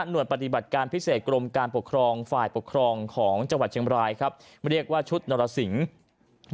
โดยปฏิบัติการพิเศษกรมการปกครองฝ่ายปกครองของจังหวัดเชียงบรายครับเรียกว่าชุดนรสิงศ์